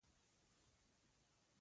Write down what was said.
فکري تاریخ کې قدرت مقولې بحث نه دی.